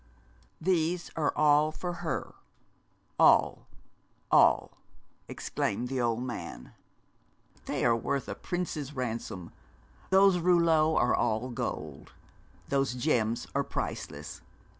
'These are all for her all all,' exclaimed the old man. 'They are worth a prince's ransom. Those rouleaux are all gold; those gems are priceless.